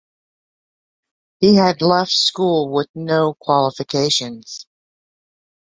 He had left school with no qualifications.